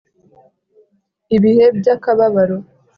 ibihe by'akababaro,